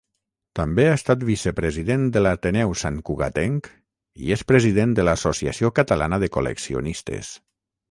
També ha estat vicepresident de l'Ateneu Santcugatenc i és president de l'Associació Catalana de Col·leccionistes.